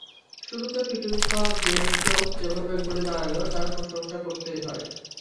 শুরুতে পিটুনি খাওয়া Ben Stokes যেভাবে ঘুরে দাঁড়াল তার প্রশংসা করতেই হয়।